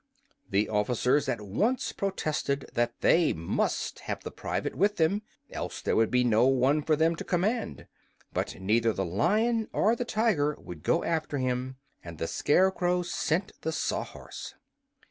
The officers at once protested that they must have the private with them, else there would be no one for them to command. But neither the Lion or the Tiger would go after him, and so the Scarecrow sent the Sawhorse.